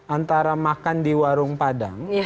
antara makan di warung padang